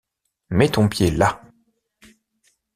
Mets ton pied là!